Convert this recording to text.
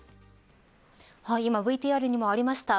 今、ＶＴＲにもありました